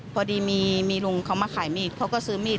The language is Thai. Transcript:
พอดีมีลุงเขามาขายมีดเขาก็ซื้อมีด